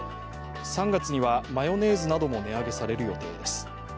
３月にはマヨネーズなども値上げされる予定です。